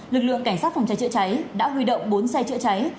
lực lượng cảnh sát phòng cháy chữa cháy đã huy động bốn xe chữa cháy